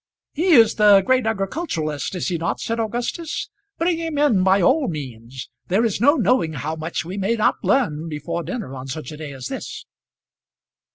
"He is the great agriculturist, is he not?" said Augustus. "Bring him in by all means; there is no knowing how much we may not learn before dinner on such a day as this."